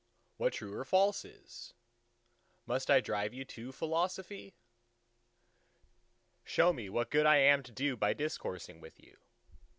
what True or False is? ... must I drive you to Philosophy? ... Show me what good I am to do by discoursing with you.